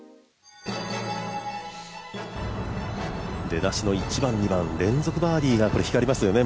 出だしの１番、２番、連続バーディーが光りますね。